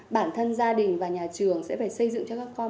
bản thân gia đình và nhà trường sẽ phải xây dựng cho các con